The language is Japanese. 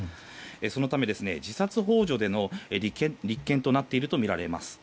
そのため、自殺幇助での立件となっているとみられます。